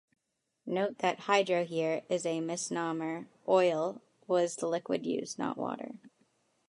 Note that "hydro-" here is a misnomer: oil was the liquid used, not water.